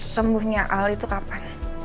sembuhnya al itu kapan